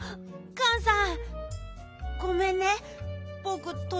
ガンさん。